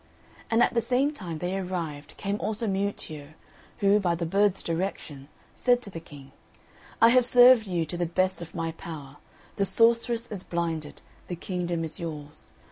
And at the same time they arrived came also Miuccio, who, by the bird's direction, said to the King, "I have served you to the best of my power; the sorceress is blinded, the kingdom is yours.